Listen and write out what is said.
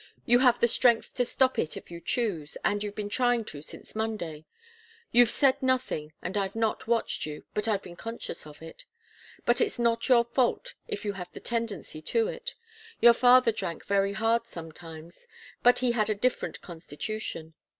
You have the strength to stop it if you choose, and you've been trying to since Monday. You've said nothing, and I've not watched you, but I've been conscious of it. But it's not your fault if you have the tendency to it. Your father drank very hard sometimes, but he had a different constitution.